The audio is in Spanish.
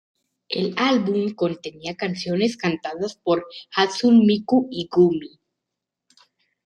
El álbum contenía canciones cantadas por Hatsune Miku y Gumi.